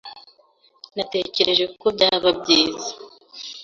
Natekereje ko byaba byiza.